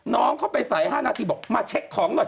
น้องเข้าไปใส่๕นาทีบอกมาเช็คของหน่อย